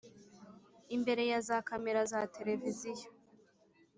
imbere ya za kamera za televiziyo,